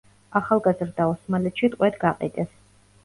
ახალგაზრდა ოსმალეთში ტყვედ გაყიდეს.